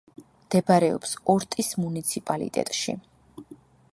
მდებარეობს ორტის მუნიციპალიტეტში.